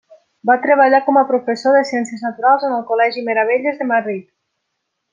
Va treballar com a professor de Ciències Naturals en el col·legi Meravelles de Madrid.